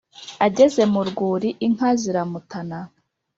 Ageze mu rwuri inka ziramutana